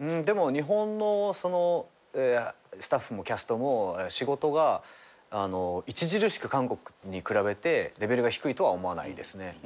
でも日本のスタッフもキャストも仕事が著しく韓国に比べてレベルが低いとは思わないですね。